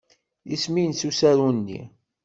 Isem-nnes usaru-nni?